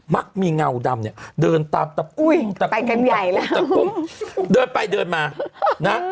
มักมีเงาดำเนี่ยเดินตามตะปุ้งตะปุ้งตะปุ้งตะปุ้งเดินไปเดินมานะ